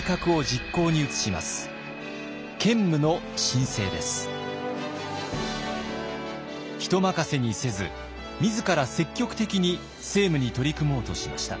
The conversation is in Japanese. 人任せにせず自ら積極的に政務に取り組もうとしました。